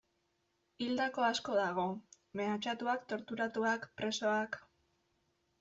Hildako asko dago, mehatxatuak, torturatuak, presoak...